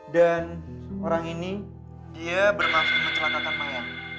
dan orang ini dia bermanfaat mencelakakan mayang